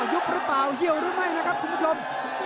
ยุบหรือเปล่าเหี่ยวหรือไม่นะครับคุณผู้ชม